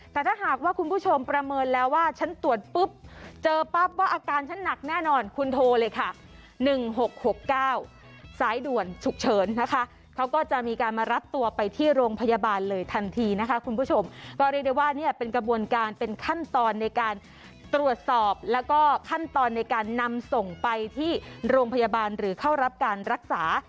แต่ถ้าหากว่าคุณผู้ชมประเมินแล้วว่าฉันตรวจปุ๊บเจอปั๊บว่าอาการฉันหนักแน่นอนคุณโทรเลยค่ะ๑๖๖๙สายด่วนฉุกเฉินนะคะเขาก็จะมีการมารับตัวไปที่โรงพยาบาลเลยทันทีนะคะคุณผู้ชมก็เรียกได้ว่าเนี่ยเป็นกระบวนการเป็นขั้นตอนในการตรวจสอบแล้วก็ขั้นตอนในการนำส่งไปที่โรงพยาบาลหรือเข้ารับการรักษา